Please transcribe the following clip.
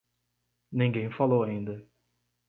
Ninguém falou ainda.